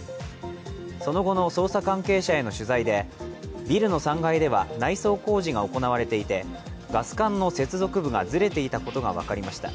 その後の捜査関係者への取材でビルの３階では内装工事が行われていてガス管の接続部がずれていたことが分かりました。